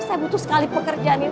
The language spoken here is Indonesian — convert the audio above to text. saya butuh sekali pekerjaan ini